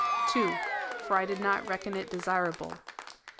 2. For I did 7iot reckon it desirable.